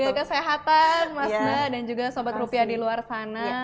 menteri kesehatan mas na dan juga sobat rupiah di luar sana